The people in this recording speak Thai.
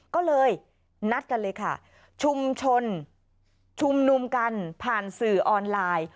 ก็เลยนัดกันเลยค่ะชุมชนชุมนุมกันผ่านสื่อออนไลน์